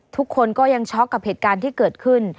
ทุกคนก็ยังช็อกกับเหตุการณ์ที่เกิดขึ้น